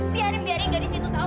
biarin biarin gadis itu tahu